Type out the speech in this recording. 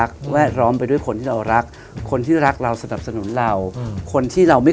คิดว่าคิดอย่างไร